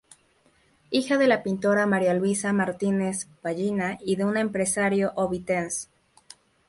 Hija de la pintora María Luisa Martínez Vallina y de un empresario ovetense.